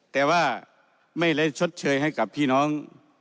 แต่ว่าไม่ได้ชดเชยให้กับพี่น้อง